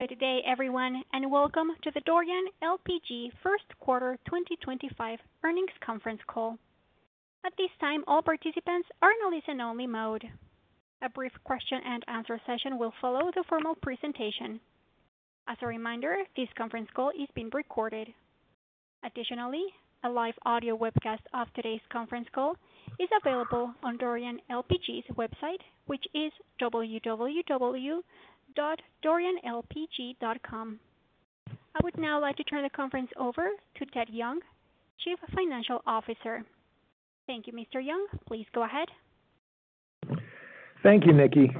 Good day, everyone, and welcome to the Dorian LPG First Quarter 2025 Earnings Conference Call. At this time, all participants are in a listen-only mode. A brief question-and-answer session will follow the formal presentation. As a reminder, this conference call is being recorded. Additionally, a live audio webcast of today's conference call is available on Dorian LPG's website, which is www.dorianlpg.com. I would now like to turn the conference over to Ted Young, Chief Financial Officer. Thank you, Mr. Young. Please go ahead. Thank you, Nikki.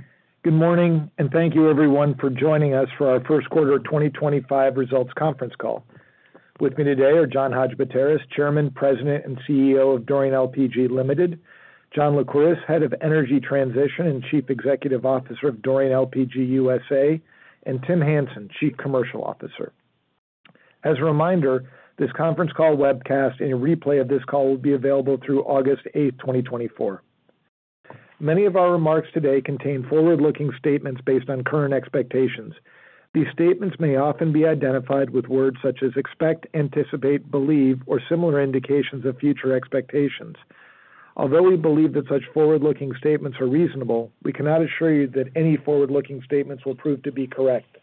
Good morning, and thank you, everyone, for joining us for our First Quarter 2025 Results Conference Call. With me today are John Hadjipateras, Chairman, President, and CEO of Dorian LPG Limited; John Lycouris, Head of Energy Transition and Chief Executive Officer of Dorian LPG USA; and Tim Hansen, Chief Commercial Officer. As a reminder, this conference call webcast and a replay of this call will be available through August 8, 2024. Many of our remarks today contain forward-looking statements based on current expectations. These statements may often be identified with words such as expect, anticipate, believe, or similar indications of future expectations. Although we believe that such forward-looking statements are reasonable, we cannot assure you that any forward-looking statements will prove to be correct.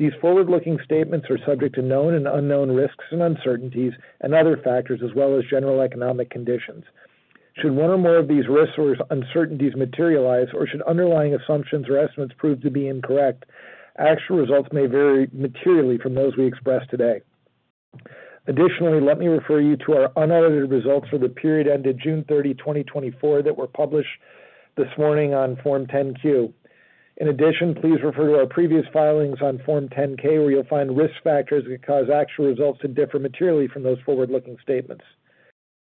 These forward-looking statements are subject to known and unknown risks and uncertainties and other factors, as well as general economic conditions. Should one or more of these risks or uncertainties materialize, or should underlying assumptions or estimates prove to be incorrect, actual results may vary materially from those we express today. Additionally, let me refer you to our unaudited results for the period ended June 30, 2024, that were published this morning on Form 10-Q. In addition, please refer to our previous filings on Form 10-K, where you'll find risk factors that cause actual results to differ materially from those forward-looking statements.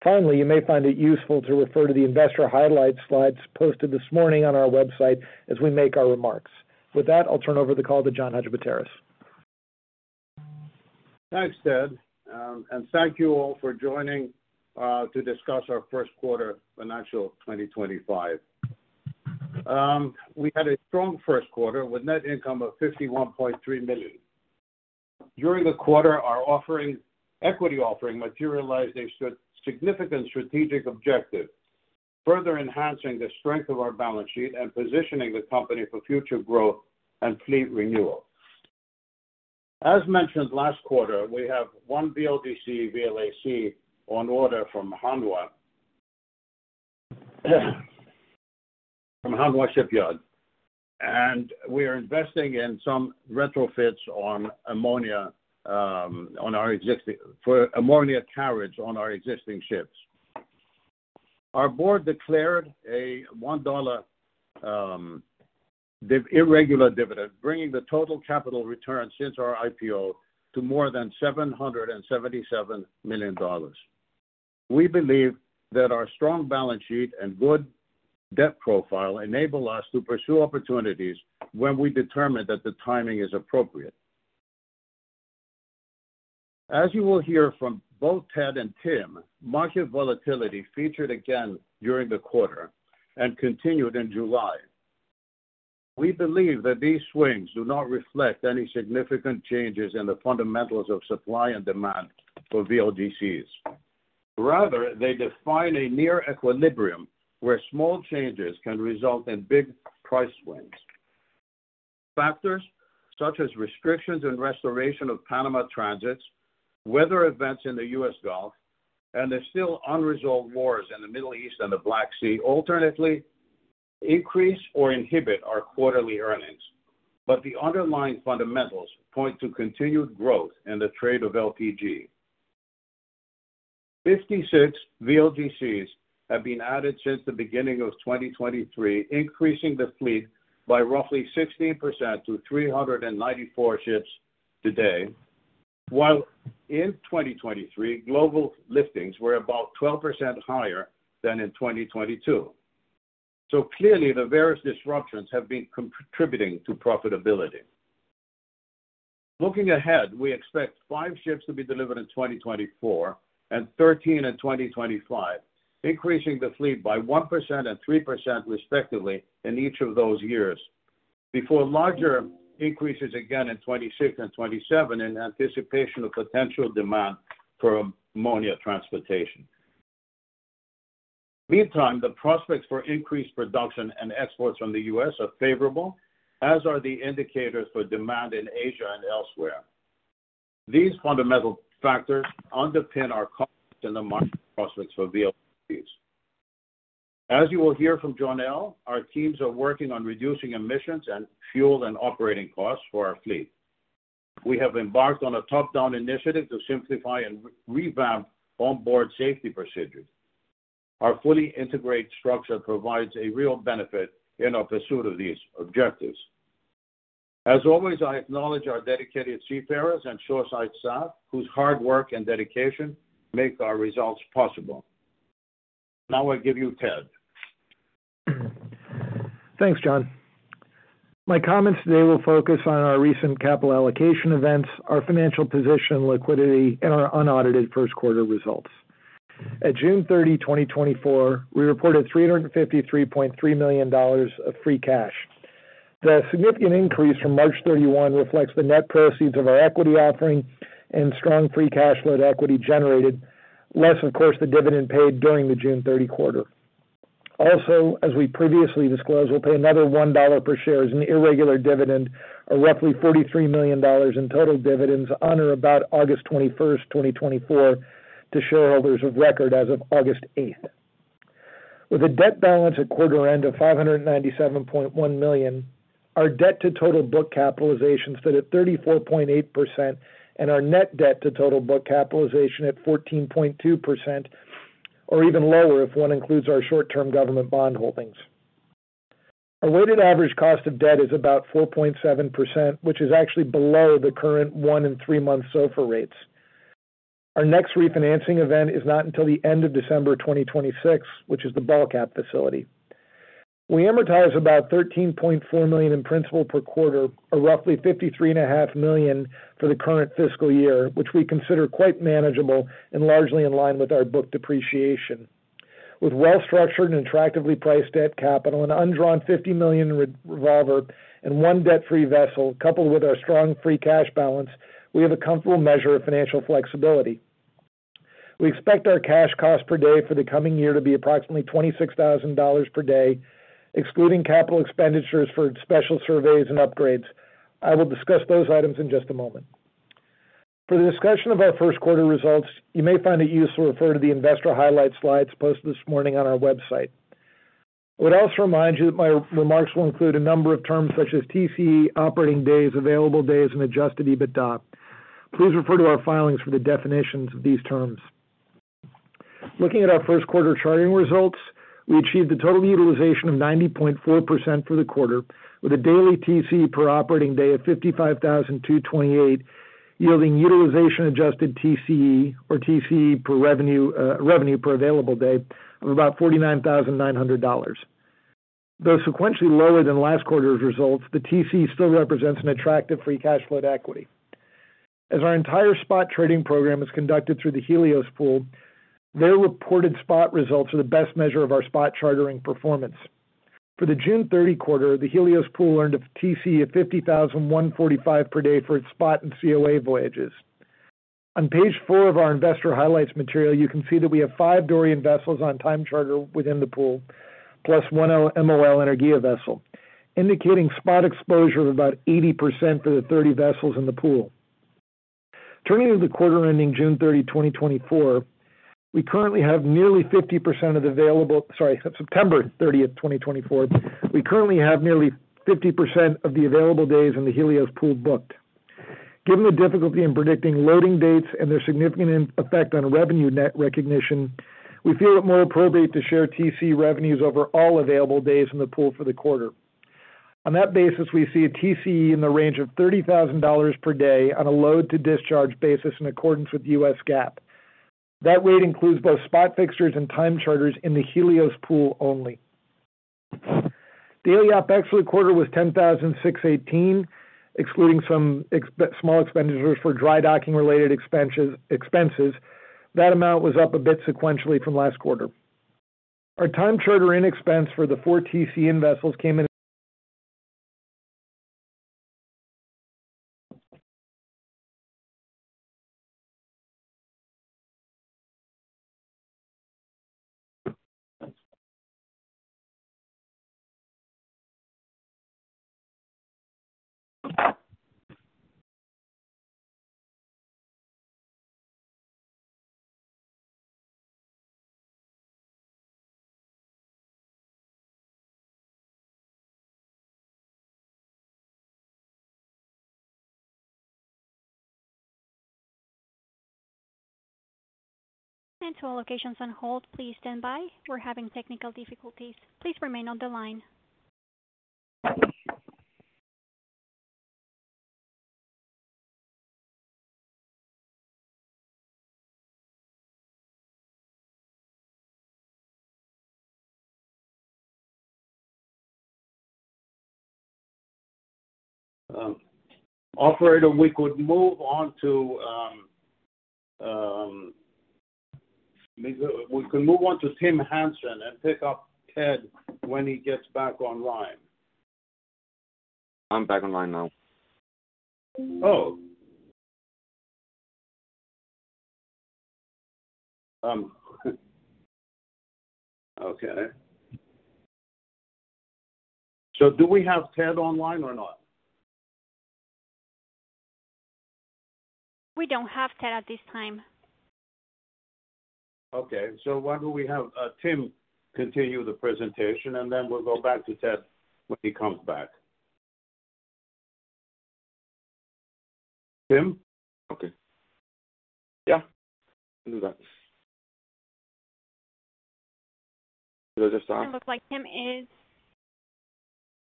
Finally, you may find it useful to refer to the Investor Highlights slides posted this morning on our website as we make our remarks. With that, I'll turn over the call to John Hadjipateras. Thanks, Ted, and thank you all for joining to discuss our First Quarter Fiscal 2025. We had a strong first quarter with net income of $51.3 million. During the quarter, our equity offering materialized a significant strategic objective, further enhancing the strength of our balance sheet and positioning the company for future growth and fleet renewal. As mentioned last quarter, we have one VLGC VLAC on order from Hanwha Shipyard, and we are investing in some retrofits on ammonia for ammonia carriage on our existing ships. Our board declared a $1 irregular dividend, bringing the total capital return since our IPO to more than $777 million. We believe that our strong balance sheet and good debt profile enable us to pursue opportunities when we determine that the timing is appropriate. As you will hear from both Ted and Tim, market volatility featured again during the quarter and continued in July. We believe that these swings do not reflect any significant changes in the fundamentals of supply and demand for VLGCs. Rather, they define a near equilibrium where small changes can result in big price swings. Factors such as restrictions and restoration of Panama transits, weather events in the U.S. Gulf, and the still unresolved wars in the Middle East and the Black Sea alternately increase or inhibit our quarterly earnings, but the underlying fundamentals point to continued growth in the trade of LPG. 56 VLGCs have been added since the beginning of 2023, increasing the fleet by roughly 16% to 394 ships today, while in 2023, global liftings were about 12% higher than in 2022. So clearly, the various disruptions have been contributing to profitability. Looking ahead, we expect five ships to be delivered in 2024 and 13 in 2025, increasing the fleet by 1% and 3% respectively in each of those years, before larger increases again in 2026 and 2027 in anticipation of potential demand for ammonia transportation. Meantime, the prospects for increased production and exports from the U.S. are favorable, as are the indicators for demand in Asia and elsewhere. These fundamental factors underpin our comments in the market prospects for VLGCs. As you will hear from John L., our teams are working on reducing emissions and fuel and operating costs for our fleet. We have embarked on a top-down initiative to simplify and revamp onboard safety procedures. Our fully integrated structure provides a real benefit in our pursuit of these objectives. As always, I acknowledge our dedicated seafarers and shoreside staff, whose hard work and dedication make our results possible. Now I give you Ted. Thanks, John. My comments today will focus on our recent capital allocation events, our financial position, liquidity, and our unaudited first quarter results. At June 30, 2024, we reported $353.3 million of free cash. The significant increase from March 31 reflects the net proceeds of our equity offering and strong free cash flow to equity generated, less, of course, the dividend paid during the June 30 quarter. Also, as we previously disclosed, we'll pay another $1 per share as an irregular dividend, or roughly $43 million in total dividends on or about August 21, 2024, to shareholders of record as of August 8. With a debt balance at quarter-end of $597.1 million, our debt-to-total book capitalization stood at 34.8%, and our net debt-to-total book capitalization at 14.2%, or even lower if one includes our short-term government bond holdings. Our weighted average cost of debt is about 4.7%, which is actually below the current one- and three-month SOFR rates. Our next refinancing event is not until the end of December 2026, which is the BALCAP facility. We amortize about $13.4 million in principal per quarter, or roughly $53.5 million for the current fiscal year, which we consider quite manageable and largely in line with our book depreciation. With well-structured and attractively priced debt capital and an undrawn $50 million revolver and one debt-free vessel, coupled with our strong free cash balance, we have a comfortable measure of financial flexibility. We expect our cash cost per day for the coming year to be approximately $26,000 per day, excluding capital expenditures for special surveys and upgrades. I will discuss those items in just a moment. For the discussion of our first quarter results, you may find it useful to refer to the Investor Highlights slides posted this morning on our website. I would also remind you that my remarks will include a number of terms such as TCE, operating days, available days, and Adjusted EBITDA. Please refer to our filings for the definitions of these terms. Looking at our first quarter chartering results, we achieved a total utilization of 90.4% for the quarter, with a daily TCE per operating day of $55,228, yielding utilization-adjusted TCE, or TCE per revenue per available day, of about $49,900. Though sequentially lower than last quarter's results, the TCE still represents an attractive free cash flow to equity. As our entire spot trading program is conducted through the Helios Pool, their reported spot results are the best measure of our spot chartering performance. For the June 30 quarter, the Helios Pool earned a TCE of $50,145 per day for its spot and COA voyages. On Page four of our investor highlights material, you can see that we have five Dorian vessels on time charter within the pool, plus one MOL energy vessel, indicating spot exposure of about 80% for the 30 vessels in the pool. Turning to the quarter ending June 30, 2024, we currently have nearly 50% of the available—sorry, September 30, 2024—we currently have nearly 50% of the available days in the Helios Pool booked. Given the difficulty in predicting loading dates and their significant effect on revenue net recognition, we feel it more appropriate to share TCE revenues over all available days in the pool for the quarter. On that basis, we see a TCE in the range of $30,000 per day on a load-to-discharge basis in accordance with U.S. GAAP. That rate includes both spot fixtures and time charters in the Helios Pool only. Daily OPEX for the quarter was $10,618, excluding some small expenditures for dry docking-related expenses. That amount was up a bit sequentially from last quarter. Our time charter-in-expense for the four TCE vessels came in. Central locations on hold. Please stand by. We're having technical difficulties. Please remain on the line. Operator, we can move on to Tim Hansen and pick up Ted when he gets back online. I'm back online now. Oh. Okay. So do we have Ted online or not? We don't have Ted at this time. Okay. So why don't we have Tim continue the presentation, and then we'll go back to Ted when he comes back. Tim? Okay. Yeah. Do that. Does it start? It looks like Tim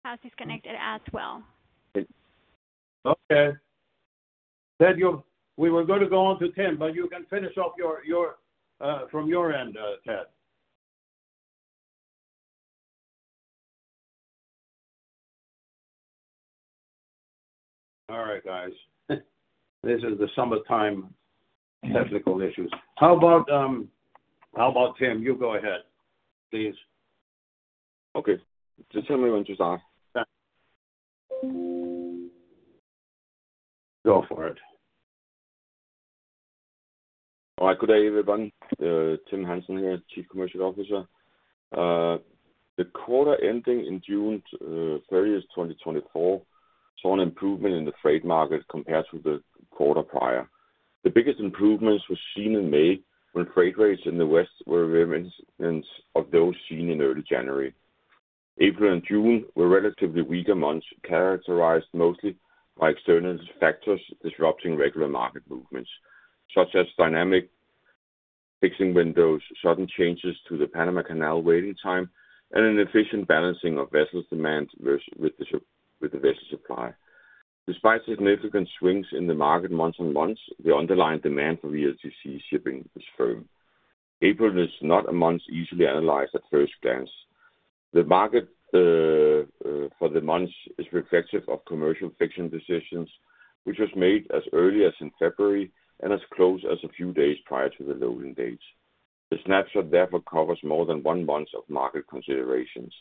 has disconnected as well. Okay. Ted, we were going to go on to Tim, but you can finish off from your end, Ted. All right, guys. This is the summertime technical issues. How about Tim? You go ahead, please. Okay. Just tell me when to start. Go for it. All right. Good day, everyone. Tim Hansen here, Chief Commercial Officer. The quarter ending in June 30, 2024, saw an improvement in the trade market compared to the quarter prior. The biggest improvements were seen in May, when trade rates in the West were reminiscent of those seen in early January. April and June were relatively weaker months, characterized mostly by external factors disrupting regular market movements, such as dynamic fixing windows, sudden changes to the Panama Canal waiting time, and inefficient balancing of vessels' demand with the vessel supply. Despite significant swings in the market month-on-month, the underlying demand for VLGC shipping is firm. April is not a month easily analyzed at first glance. The market for the month is reflective of commercial fixing decisions, which were made as early as in February and as close as a few days prior to the loading dates. The snapshot therefore covers more than one month of market considerations.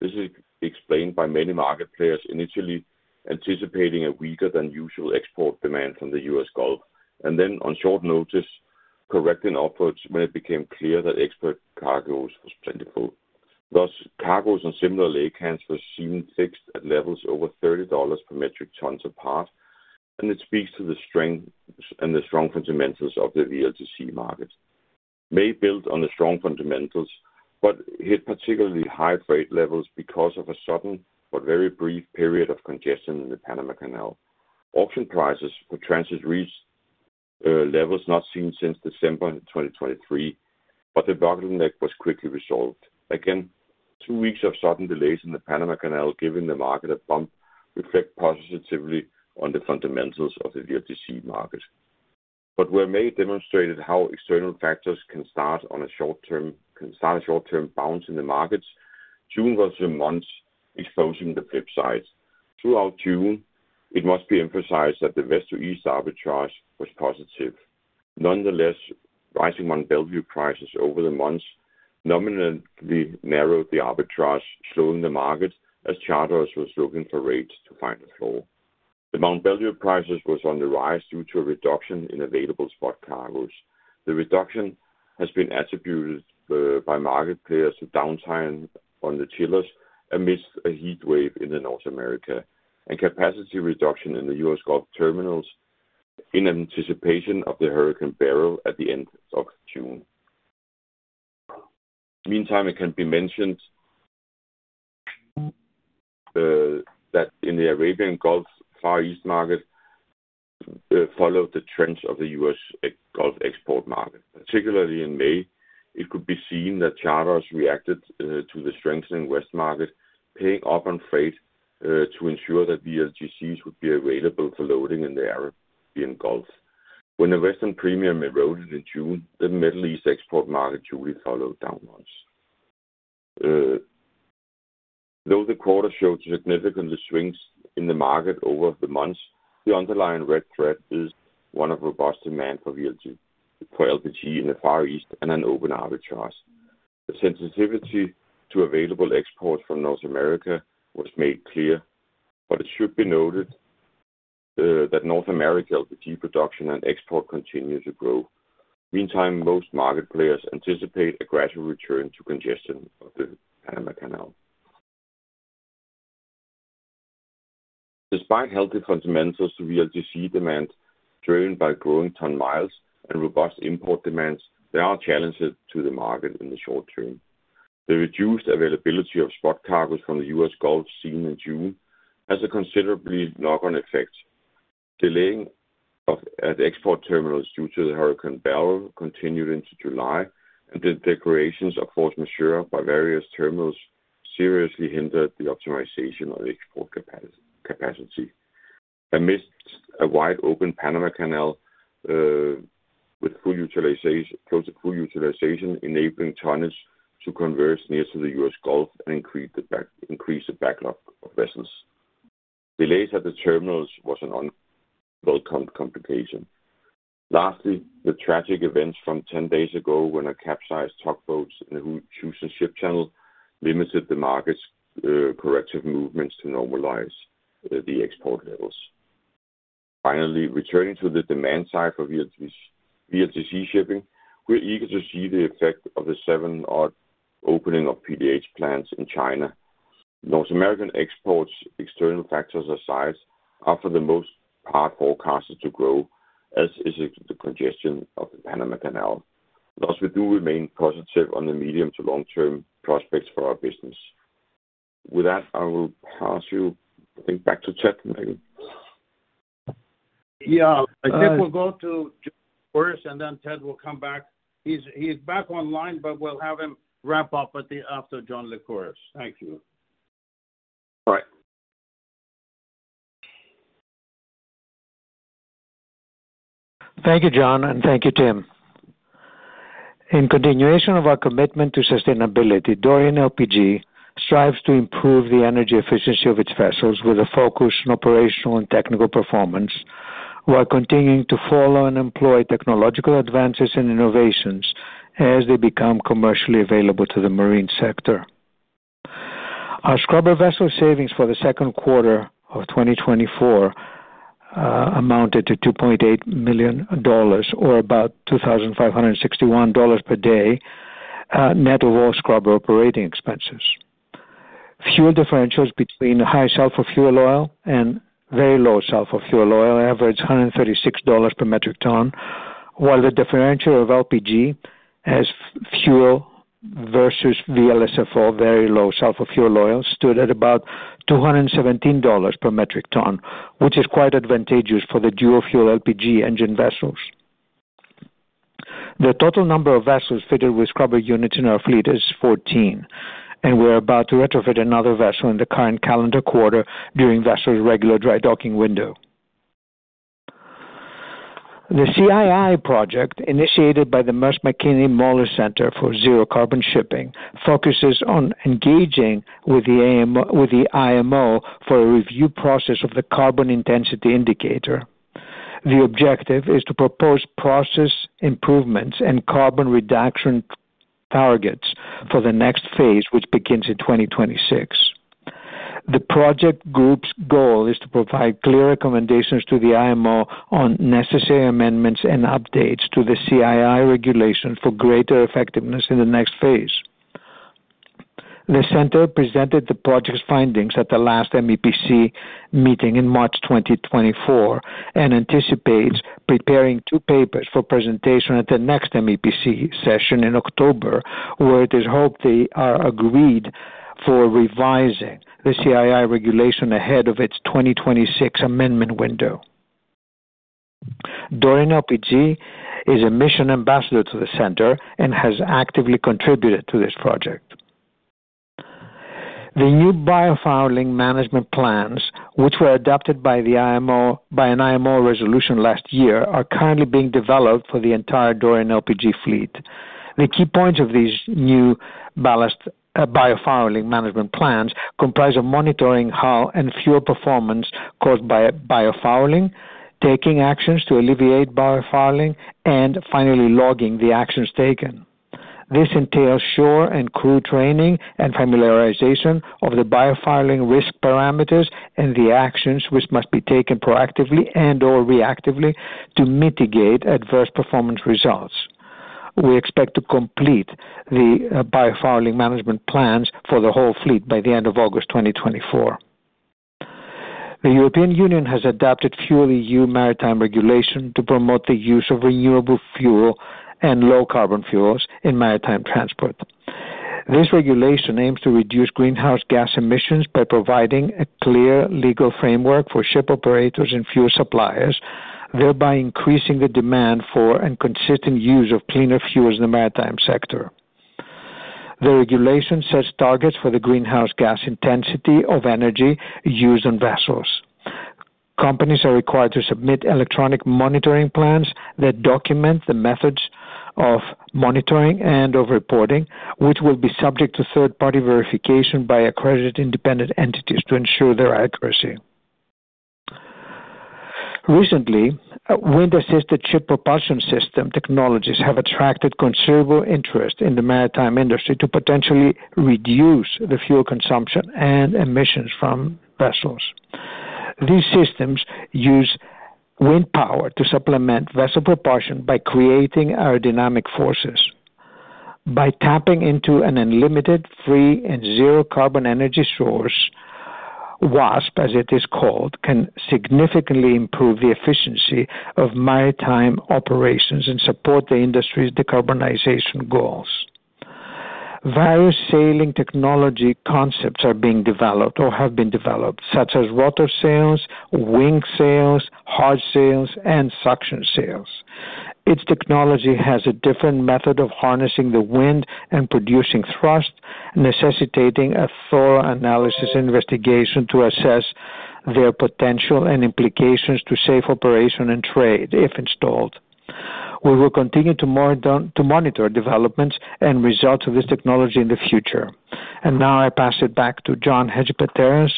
This is explained by many market players initially anticipating a weaker-than-usual export demand from the U.S. Gulf, and then on short notice correcting upwards when it became clear that export cargoes were plentiful. Thus, cargoes on similar laycans were seen fixed at levels over $30 per metric ton per port, and it speaks to the strong fundamentals of the VLGC market. May build on the strong fundamentals, but hit particularly high trade levels because of a sudden but very brief period of congestion in the Panama Canal. Auction prices for transit reached levels not seen since December 2023, but the bottleneck was quickly resolved. Again, two weeks of sudden delays in the Panama Canal giving the market a bump reflect positively on the fundamentals of the VLGC market. But where May demonstrated how external factors can start a short-term bounce in the markets, June was the month exposing the flip side. Throughout June, it must be emphasized that the West-to-East arbitrage was positive. Nonetheless, rising Mount Belvieu prices over the months nominally narrowed the arbitrage, slowing the market as charters were looking for rates to find a floor. The Mount Belvieu prices were on the rise due to a reduction in available spot cargoes. The reduction has been attributed by market players to downtime on the chillers amidst a heat wave in North America and capacity reduction in the U.S. Gulf terminals in anticipation of the Hurricane Beryl at the end of June. Meantime, it can be mentioned that in the Arabian Gulf Far East market, followed the trends of the U.S. Gulf export market. Particularly in May, it could be seen that charters reacted to the strengthening West market, paying off on freight to ensure that VLGCs would be available for loading in the Arabian Gulf. When the Western Premium eroded in June, the Middle East export market truly followed downwards. Though the quarter showed significant swings in the market over the months, the underlying red thread is one of robust demand for LPG in the Far East and an open arbitrage. The sensitivity to available exports from North America was made clear, but it should be noted that North America LPG production and export continue to grow. Meantime, most market players anticipate a gradual return to congestion of the Panama Canal. Despite healthy fundamentals to VLGC demand driven by growing ton miles and robust import demands, there are challenges to the market in the short term. The reduced availability of spot cargoes from the U.S. Gulf seen in June has a considerably knock-on effect. Delaying at export terminals due to the Hurricane Beryl continued into July, and the declarations of force majeure by various terminals seriously hindered the optimization of export capacity. Amidst a wide open Panama Canal with close to full utilization, enabling tonnage to converge near to the U.S. Gulf and increase the backlog of vessels. Delays at the terminals were an unwelcome complication. Lastly, the tragic events from 10 days ago, when a capsized tugboat in the Houston Ship Channel limited the market's corrective movements to normalize the export levels. Finally, returning to the demand side for VLGC shipping, we're eager to see the effect of the seven-odd opening of PDH plants in China. North American exports, external factors aside, offer the most part forecasted to grow, as is the congestion of the Panama Canal. Thus, we do remain positive on the medium to long-term prospects for our business. With that, I will pass you, I think, back to Ted, maybe. Yeah. I think we'll go to John Lycouris, and then Ted will come back. He's back online, but we'll have him wrap up after John Lycouris. Thank you. All right. Thank you, John, and thank you, Tim. In continuation of our commitment to sustainability, Dorian LPG strives to improve the energy efficiency of its vessels with a focus on operational and technical performance, while continuing to follow and employ technological advances and innovations as they become commercially available to the marine sector. Our scrubber vessel savings for the second quarter of 2024 amounted to $2.8 million, or about $2,561 per day, net of all scrubber operating expenses. Fuel differentials between high sulfur fuel oil and very low sulfur fuel oil averaged $136 per metric ton, while the differential of LPG as fuel versus VLSFO, very low sulfur fuel oil, stood at about $217 per metric ton, which is quite advantageous for the dual-fuel LPG engine vessels. The total number of vessels fitted with scrubber units in our fleet is 14, and we are about to retrofit another vessel in the current calendar quarter during vessels' regular dry docking window. The CII project, initiated by the Maersk Mc-Kinney Møller Center for Zero Carbon Shipping, focuses on engaging with the IMO for a review process of the carbon intensity indicator. The objective is to propose process improvements and carbon reduction targets for the next phase, which begins in 2026. The project group's goal is to provide clear recommendations to the IMO on necessary amendments and updates to the CII regulations for greater effectiveness in the next phase. The center presented the project's findings at the last MEPC meeting in March 2024 and anticipates preparing two papers for presentation at the next MEPC session in October, where it is hoped they are agreed for revising the CII regulation ahead of its 2026 amendment window. Dorian LPG is a mission ambassador to the center and has actively contributed to this project. The new biofouling management plans, which were adopted by an IMO resolution last year, are currently being developed for the entire Dorian LPG fleet. The key points of these new biofouling management plans comprise monitoring hull and fuel performance caused by biofouling, taking actions to alleviate biofouling, and finally logging the actions taken. This entails shore and crew training and familiarization of the biofouling risk parameters and the actions which must be taken proactively and/or reactively to mitigate adverse performance results. We expect to complete the biofouling management plans for the whole fleet by the end of August 2024. The European Union has adopted FuelEU Maritime regulation to promote the use of renewable fuel and low-carbon fuels in maritime transport. This regulation aims to reduce greenhouse gas emissions by providing a clear legal framework for ship operators and fuel suppliers, thereby increasing the demand for and consistent use of cleaner fuels in the maritime sector. The regulation sets targets for the greenhouse gas intensity of energy used on vessels. Companies are required to submit electronic monitoring plans that document the methods of monitoring and of reporting, which will be subject to third-party verification by accredited independent entities to ensure their accuracy. Recently, wind-assisted ship propulsion system technologies have attracted considerable interest in the maritime industry to potentially reduce the fuel consumption and emissions from vessels. These systems use wind power to supplement vessel propulsion by creating aerodynamic forces. By tapping into an unlimited, free, and zero-carbon energy source, WASP, as it is called, can significantly improve the efficiency of maritime operations and support the industry's decarbonization goals. Various sailing technology concepts are being developed or have been developed, such as rotor sails, wing sails, hard sails, and suction sails. Its technology has a different method of harnessing the wind and producing thrust, necessitating a thorough analysis investigation to assess their potential and implications to safe operation and trade, if installed. We will continue to monitor developments and results of this technology in the future. Now I pass it back to John Hadjipateras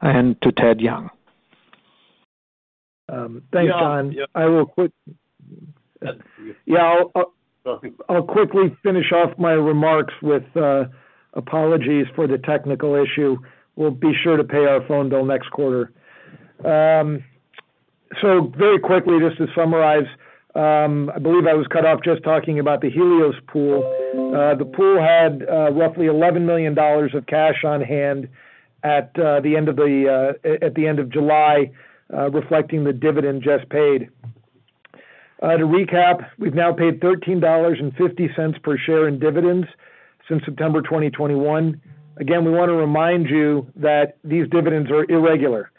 and to Ted Young. Thanks, John. I will quickly finish off my remarks with apologies for the technical issue. We'll be sure to pay our phone bill next quarter. So very quickly, just to summarize, I believe I was cut off just talking about the Helios Pool. The pool had roughly $11 million of cash on hand at the end of July, reflecting the dividend just paid. To recap, we've now paid $13.50 per share in dividends since September 2021. Again, we want to remind you that these dividends are irregular.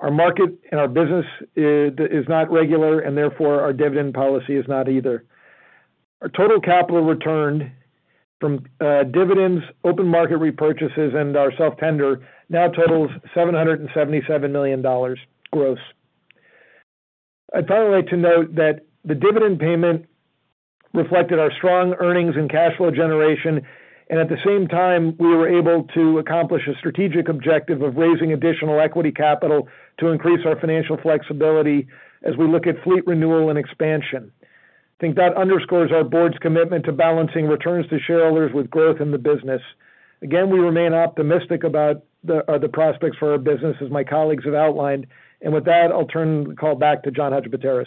Our market and our business is not regular, and therefore our dividend policy is not either. Our total capital returned from dividends, open market repurchases, and our self-tender now totals $777 million gross. I'd probably like to note that the dividend payment reflected our strong earnings and cash flow generation, and at the same time, we were able to accomplish a strategic objective of raising additional equity capital to increase our financial flexibility as we look at fleet renewal and expansion. I think that underscores our board's commitment to balancing returns to shareholders with growth in the business. Again, we remain optimistic about the prospects for our business, as my colleagues have outlined. With that, I'll turn the call back to John Hadjipateras.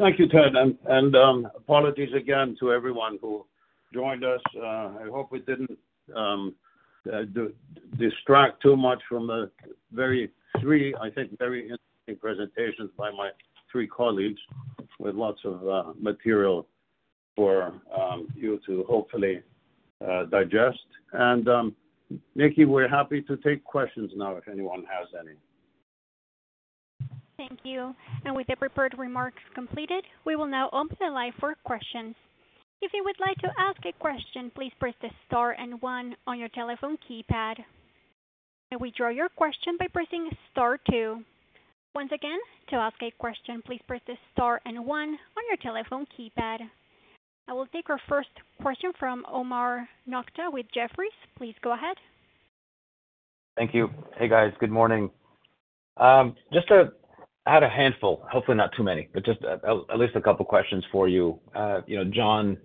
Thank you, Ted, and apologies again to everyone who joined us. I hope we didn't distract too much from the very three, I think, very interesting presentations by my three colleagues with lots of material for you to hopefully digest. And Nikki, we're happy to take questions now if anyone has any. Thank you. And with the prepared remarks completed, we will now open the line for questions. If you would like to ask a question, please press the star and one on your telephone keypad. And to withdraw your question by pressing star two. Once again, to ask a question, please press the star and one on your telephone keypad. I will take our first question from Omar Nokta with Jefferies. Please go ahead. Thank you. Hey, guys. Good morning. Just had a handful, hopefully not too many, but just at least a couple of questions for you. John.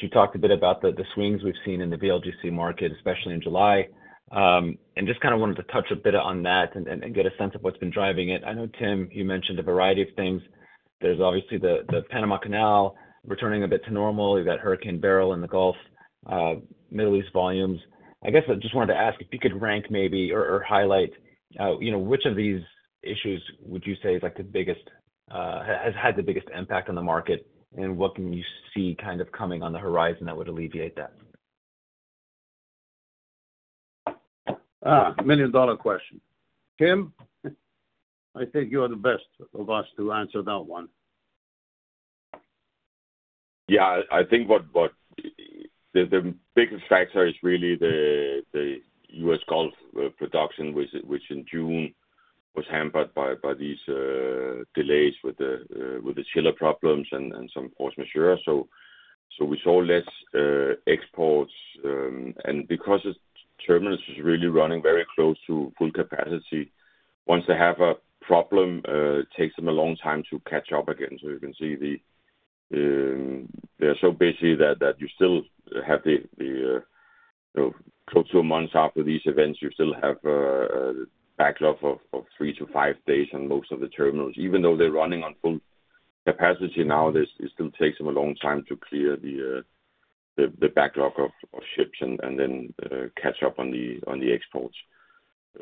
You talked a bit about the swings we've seen in the VLGC market, especially in July, and just kind of wanted to touch a bit on that and get a sense of what's been driving it. I know, Tim, you mentioned a variety of things. There's obviously the Panama Canal returning a bit to normal. You've got Hurricane Beryl in the Gulf, Middle East volumes. I guess I just wanted to ask if you could rank maybe or highlight which of these issues would you say has had the biggest impact on the market, and what can you see kind of coming on the horizon that would alleviate that? Million-dollar question. Tim, I think you are the best of us to answer that one. Yeah. I think the biggest factor is really the U.S. Gulf production, which in June was hampered by these delays with the chiller problems and some force majeure. So we saw less exports. And because the terminals are really running very close to full capacity, once they have a problem, it takes them a long time to catch up again. So you can see they're so busy that you still have close to a month after these events, you still have a backlog of 3-5 days on most of the terminals. Even though they're running on full capacity now, it still takes them a long time to clear the backlog of ships and then catch up on the exports.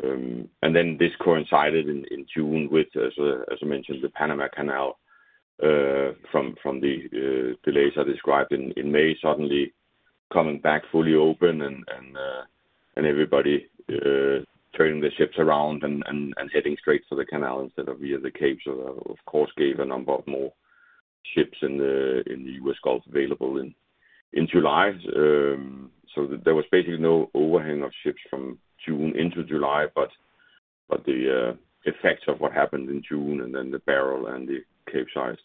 And then this coincided in June with, as I mentioned, the Panama Canal from the delays I described in May, suddenly coming back fully open and everybody turning their ships around and heading straight to the canal instead of via the Cape. So, of course, it gave a number of more ships in the U.S. Gulf available in July. So there was basically no overhang of ships from June into July, but the effects of what happened in June and then the Beryl and the capesized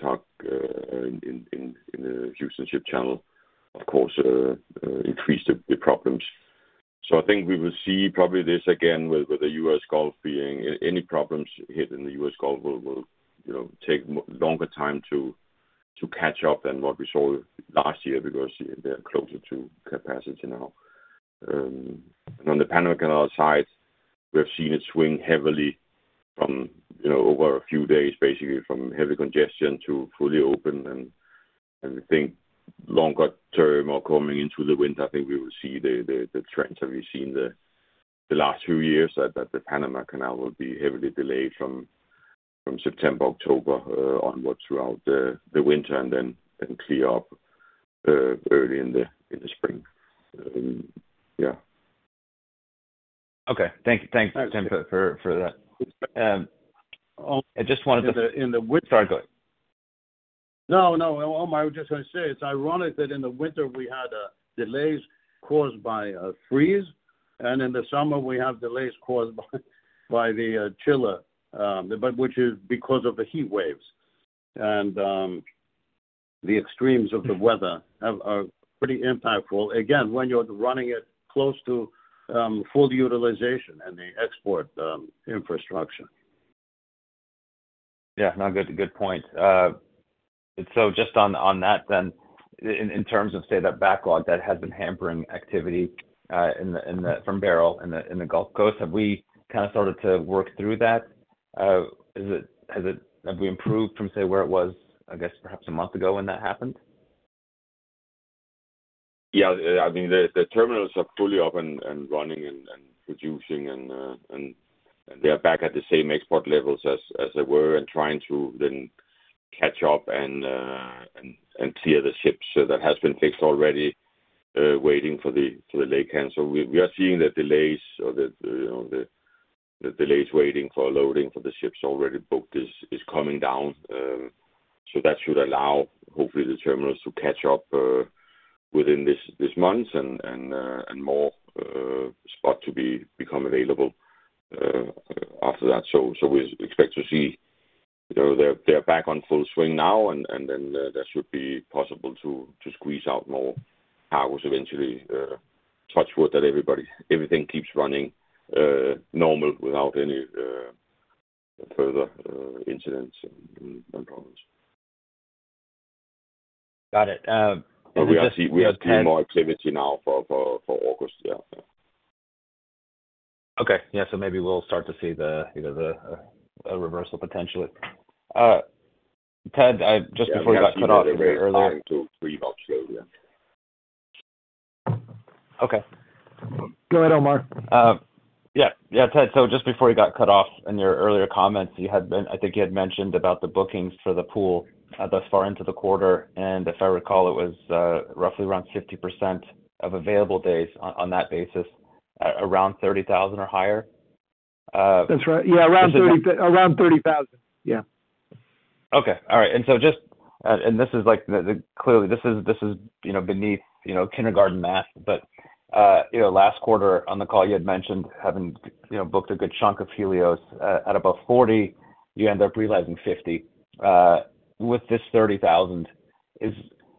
tug in the Houston Ship Channel, of course, increased the problems. So I think we will see probably this again with the U.S. Gulf being any problems hit in the U.S. Gulf will take longer time to catch up than what we saw last year because they're closer to capacity now. On the Panama Canal side, we've seen it swing heavily from over a few days, basically from heavy congestion to fully open. I think longer term or coming into the winter, I think we will see the trends that we've seen the last few years that the Panama Canal will be heavily delayed from September, October onwards throughout the winter and then clear up early in the spring. Yeah. Okay. Thanks, Tim, for that. I just wanted to. In the winter. Sorry, go ahead. No, no. Omar, I was just going to say it's ironic that in the winter we had delays caused by freeze, and in the summer we have delays caused by the chiller, which is because of the heat waves. And the extremes of the weather are pretty impactful, again, when you're running it close to full utilization and the export infrastructure. Yeah. No, good point. So just on that then, in terms of, say, that backlog that has been hampering activity from Beryl in the Gulf Coast, have we kind of started to work through that? Have we improved from, say, where it was, I guess, perhaps a month ago when that happened? Yeah. I mean, the terminals are fully up and running and producing, and they are back at the same export levels as they were and trying to then catch up and clear the ships. So that has been fixed already, waiting for the laycan. So we are seeing the delays waiting for loading for the ships already booked is coming down. So that should allow, hopefully, the terminals to catch up within this month and more spot to become available after that. So we expect to see they're back on full swing now, and then that should be possible to squeeze out more cargoes eventually, touch wood that everything keeps running normal without any further incidents and problems. Got it. But we are seeing more activity now for August. Yeah. Okay. Yeah. So maybe we'll start to see the reversal potentially. Ted, just before you got cut off earlier. Yeah. We're trying to pre-up slowly. Okay. Go ahead, Omar. Yeah. Yeah, Ted. So just before you got cut off in your earlier comments, I think you had mentioned about the bookings for the pool thus far into the quarter. And if I recall, it was roughly around 50% of available days on that basis, around 30,000 or higher. That's right. Yeah, around 30,000. Yeah. Okay. All right. This is clearly beneath kindergarten math, but last quarter on the call, you had mentioned having booked a good chunk of Helios at about $40. You end up realizing $50. With this $30,000,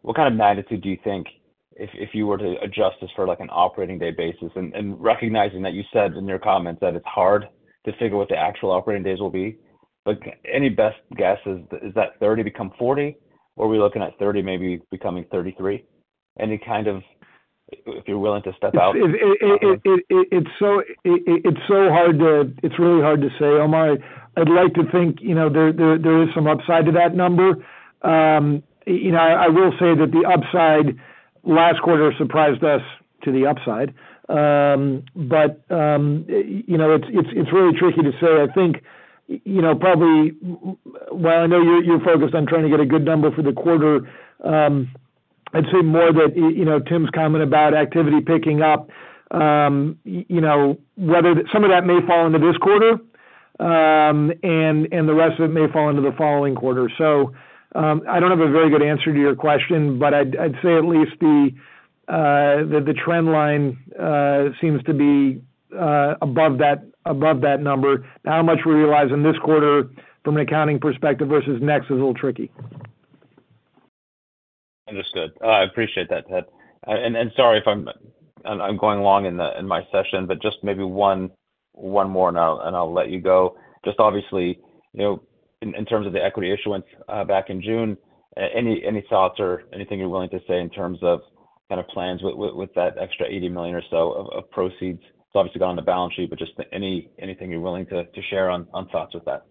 what kind of magnitude do you think, if you were to adjust this for an operating day basis? And recognizing that you said in your comments that it's hard to figure what the actual operating days will be, but any best guess is that $30 become $40, or are we looking at $30 maybe becoming $33? Any kind of, if you're willing to step out? It's really hard to say, Omar. I'd like to think there is some upside to that number. I will say that the upside last quarter surprised us to the upside. But it's really tricky to say. I think probably, while I know you're focused on trying to get a good number for the quarter, I'd say more that Tim's comment about activity picking up, some of that may fall into this quarter, and the rest of it may fall into the following quarter. So I don't have a very good answer to your question, but I'd say at least the trend line seems to be above that number. How much we realize in this quarter from an accounting perspective versus next is a little tricky. Understood. I appreciate that, Ted. Sorry if I'm going long in my session, but just maybe one more, and I'll let you go. Just obviously, in terms of the equity issuance back in June, any thoughts or anything you're willing to say in terms of kind of plans with that extra $80 million or so of proceeds? It's obviously gone on the balance sheet, but just anything you're willing to share on thoughts with that.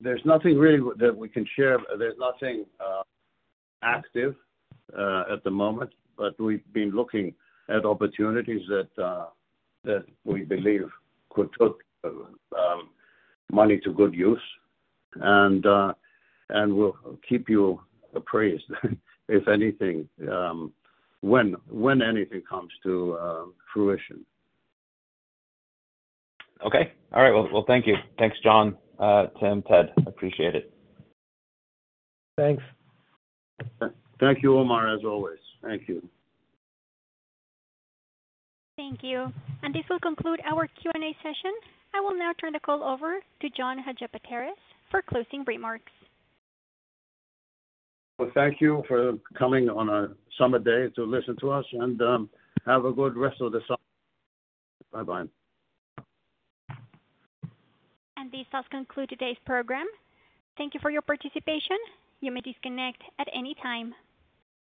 There's nothing really that we can share. There's nothing active at the moment, but we've been looking at opportunities that we believe could put money to good use. We'll keep you apprised, if anything, when anything comes to fruition. Okay. All right. Well, thank you. Thanks, John, Tim, Ted. I appreciate it. Thanks. Thank you, Omar, as always. Thank you. Thank you. This will conclude our Q&A session. I will now turn the call over to John Hadjipateras for closing remarks. Well, thank you for coming on a summer day to listen to us, and have a good rest of the summer. Bye-bye. This does conclude today's program. Thank you for your participation. You may disconnect at any time.